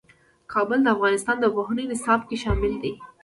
کابل د افغانستان د پوهنې نصاب کې شامل دي.